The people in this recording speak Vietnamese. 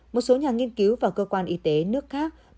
một số nhà nghiên cứu và cơ quan y tế nước khác